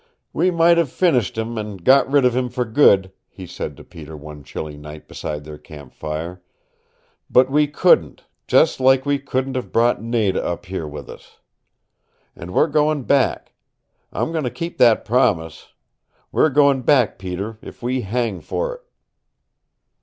"We might have finished him, an' got rid of him for good," he said to Peter one chilly night beside their campfire. "But we couldn't, just like we couldn't have brought Nada up here with us. And we're going back. I'm going to keep that promise. We're going back, Peter, if we hang for it!"